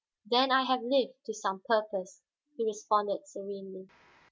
"Then I have lived to some purpose," he responded serenely.